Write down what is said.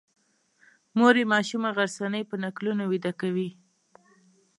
مور یې ماشومه غرڅنۍ په نکلونو ویده کوي.